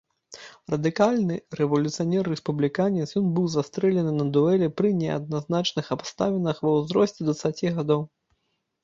Радыкальны рэвалюцыянер-рэспубліканец, ён быў застрэлены на дуэлі пры неадназначных абставінах ва ўзросце дваццаці гадоў.